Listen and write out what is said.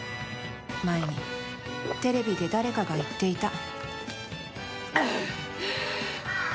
前にテレビで誰かが言っていた。